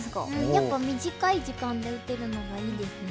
やっぱり短い時間で打てるのがいいですね。